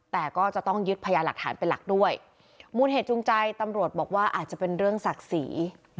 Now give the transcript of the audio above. แต่ก็จะต้องยึดพยาหลักฐานเป็นหลักด้วยมูลเหตุจูงใจตำรวจบอกว่าอาจจะเป็นเรื่องศักดิ์ศรี